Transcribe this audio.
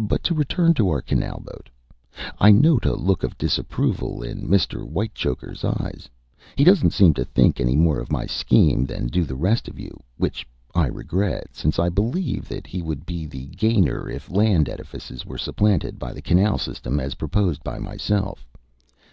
But to return to our canal boat, I note a look of disapproval in Mr. Whitechoker's eyes. He doesn't seem to think any more of my scheme than do the rest of you which I regret, since I believe that he would be the gainer if land edifices were supplanted by the canal system as proposed by myself.